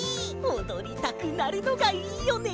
おどりたくなるのがいいよね！